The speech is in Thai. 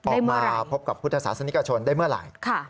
ออกมาพบกับพุทธศาสนิกชนได้เมื่อไหร่